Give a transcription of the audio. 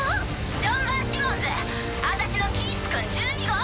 ジョン・ヴァン・シモンズ私のキープ君１２号！